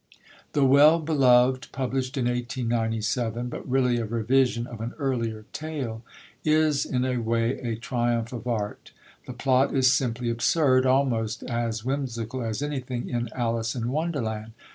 The Well Beloved, published in 1897, but really a revision of an earlier tale, is in a way a triumph of Art. The plot is simply absurd, almost as whimsical as anything in Alice in Wonderland.